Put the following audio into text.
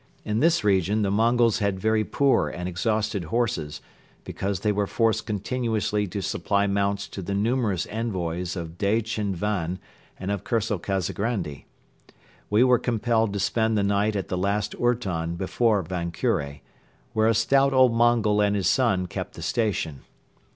In this region the Mongols had very poor and exhausted horses, because they were forced continuously to supply mounts to the numerous envoys of Daichin Van and of Colonel Kazagrandi. We were compelled to spend the night at the last ourton before Van Kure, where a stout old Mongol and his son kept the station.